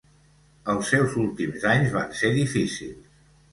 Els seus últims anys van ser difícils.